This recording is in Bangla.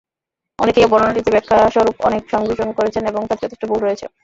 অনেকে এ বর্ণনাটিতে ব্যাখ্যাস্বরূপ অনেক সংযোজন করেছেন এবং তাতে যথেষ্ট ভুল রয়েছে।